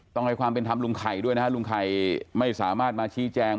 ต้องให้ความเป็นธรรมลุงไข่ด้วยนะฮะลุงไข่ไม่สามารถมาชี้แจง